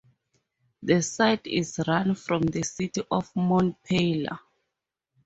The site is run from the city of Montpellier.